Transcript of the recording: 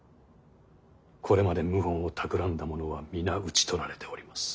これまで謀反をたくらんだ者は皆討ち取られております。